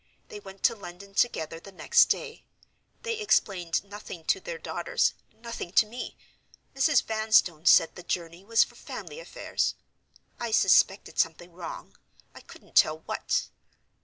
They went to London together the next day; they explained nothing to their daughters, nothing to me. Mrs. Vanstone said the journey was for family affairs. I suspected something wrong; I couldn't tell what.